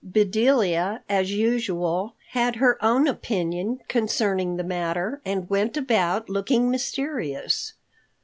Bedelia, as usual, had her own opinion concerning the matter, and went about looking mysterious.